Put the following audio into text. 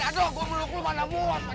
aduh gue beluk lo mana buat